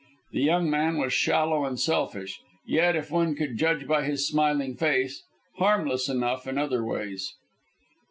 The young man was shallow and selfish, yet if one could judge by his smiling face harmless enough in other ways.